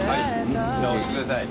じゃあ押してください。